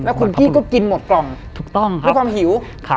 แล้วคุณกี้ก็กินหมดกล่องด้วยความหิว